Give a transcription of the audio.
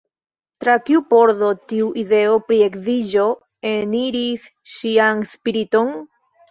Tra kiu pordo tiu ideo pri edzigo eniris ŝian spiriton?